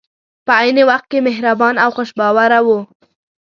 په عین وخت کې مهربان او خوش باوره وو.